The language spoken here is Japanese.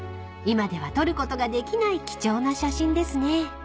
［今では撮ることができない貴重な写真ですね］